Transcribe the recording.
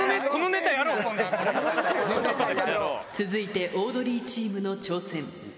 続いてオードリーチームの挑戦。